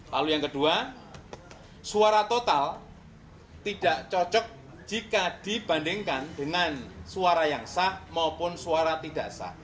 lalu yang kedua suara total tidak cocok jika dibandingkan dengan suara yang sah maupun suara tidak sah